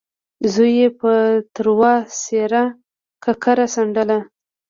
زوی يې په تروه څېره ککره څنډله.